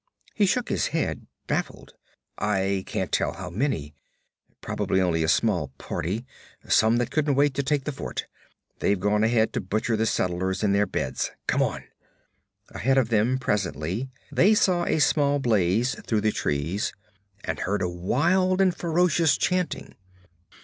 He shook his head, baffled. 'I can't tell how many. Probably only a small party. Some that couldn't wait to take the fort. They've gone ahead to butcher the settlers in their beds! Come on!' Ahead of them presently they saw a small blaze through the trees, and heard a wild and ferocious chanting.